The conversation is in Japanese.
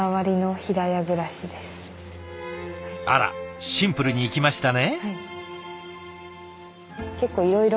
あらシンプルにいきましたね。